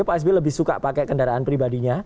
pak s b lebih suka pakai kendaraan pribadinya